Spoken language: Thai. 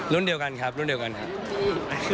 รุ่นเดียวกันครับรุ่นเดียวกันครับ